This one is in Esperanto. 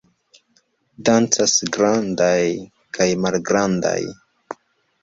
Dancas grandaj kaj malgrandaj!